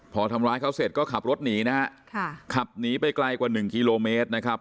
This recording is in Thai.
พอทำร้ายเขาเสร็จก็ขับรถหนีนะฮะขับหนีไปไกลกว่าหนึ่งกิโลเมตรนะครับ